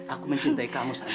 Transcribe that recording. aku mencintai kamu santi